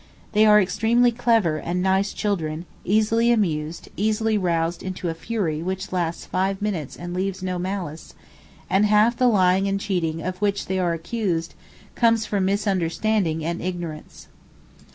They are extremely clever and nice children, easily amused, easily roused into a fury which lasts five minutes and leaves no malice, and half the lying and cheating of which they are accused comes from misunderstanding and ignorance.